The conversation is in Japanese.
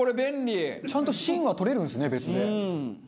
ちゃんと芯は取れるんですね別で。